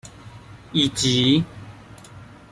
以及